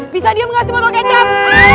bisa dia mengasih botol kecap